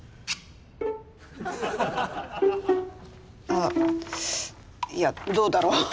あっいやどうだろう。